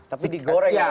tapi digoreng ya